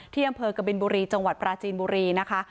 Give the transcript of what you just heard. ที่อำเภอกบินบุรีจังหวัดปราจีนบุรีนะคะ